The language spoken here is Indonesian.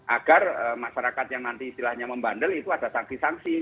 agar masyarakat yang nanti istilahnya membandel itu ada sanksi sanksi